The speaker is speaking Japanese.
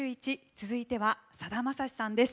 続いてはさだまさしさんです。